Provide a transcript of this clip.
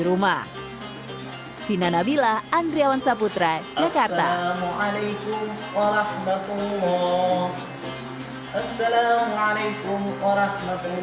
rumah kina nabilah andriawan saputra jakarta alaikum warahmatullah salam alaikum warahmatullah